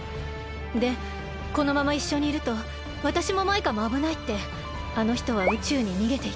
でこのままいっしょにいるとわたしもマイカもあぶないってあのひとは宇宙ににげていった。